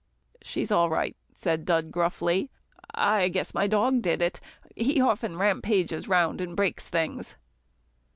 "She's all right," said Dud gruffly. "I guess my dog did it. He often rampages round, and breaks things."